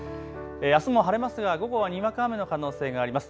あすも晴れますが午後はにわか雨の可能性があります。